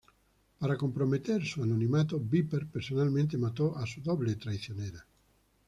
Para comprometer su anonimato, Viper personalmente mató a su doble traicionera.